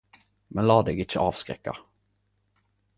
Men la deg ikkje avskrekka.